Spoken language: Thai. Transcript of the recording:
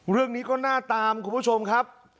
เรื่องนี้ก็น่าตามคุณผู้ชมครับ